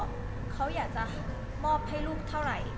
ถ้าคุณพ่อเขาอยากจะมอบให้ลูกเท่าไหร่